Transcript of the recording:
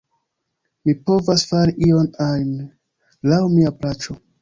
Mi povas fari ion ajn, laŭ mia plaĉo.